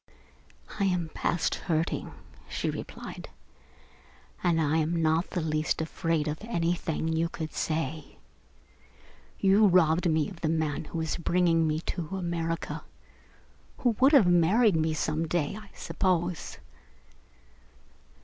"I am past hurting," she replied, "and I am not in the least afraid of anything you could say. You robbed me of the man who was bringing me to America who would have married me some day, I suppose.